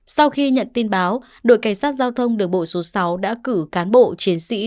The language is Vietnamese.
sau khi nhận tin báo đội cảnh sát giao thông đường bộ số sáu đã cử cán bộ trên xe máy